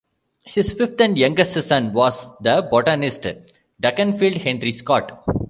His fifth and youngest son was the botanist Dukinfield Henry Scott.